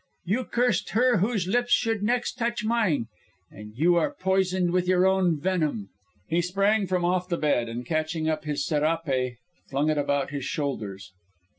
You cursed her whose lips should next touch mine, and you are poisoned with your own venom." He sprang from off the bed, and catching up his serape, flung it about his shoulders.